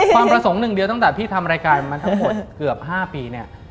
ความประสงค์หนึ่งเดียวตั้งแต่พี่ทำรายการมาทั้งหมดเกือบ๕ปีเนี่ย